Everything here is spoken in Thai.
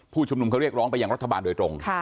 ผู้ชุมนุมเขาเรียกร้องไปยังรัฐบาลโดยตรง